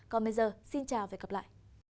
còn bây giờ xin chào và hẹn gặp lại